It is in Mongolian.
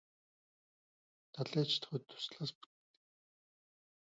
Далай ч атугай дуслаас бүтдэг юм.